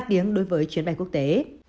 ba tiếng đối với chuyến bay quốc tế